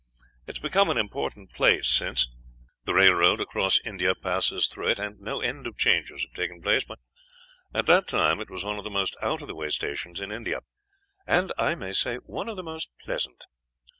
It has become an important place since; the railroad across India passes through it and no end of changes have taken place; but at that time it was one of the most out of the way stations in India, and, I may say, one of the most pleasant.